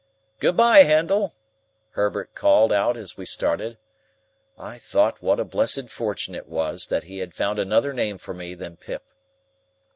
"Good bye, Handel!" Herbert called out as we started. I thought what a blessed fortune it was, that he had found another name for me than Pip.